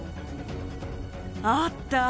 あった！